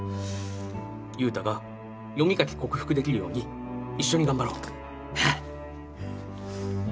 優太が読み書き克服できるように一緒に頑張ろう。